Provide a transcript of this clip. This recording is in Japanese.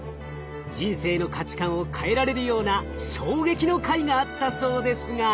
人生の価値観を変えられるような衝撃の回があったそうですが。